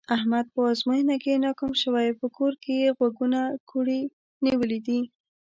احمد په ازموینه کې ناکام شوی، په کور کې یې غوږونه کوړی نیولي دي.